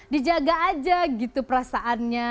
dijaga aja gitu perasaannya